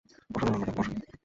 অসাধারণ, ম্যাডাম!